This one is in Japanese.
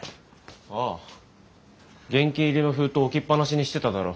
ああ現金入りの封筒置きっ放しにしてただろ？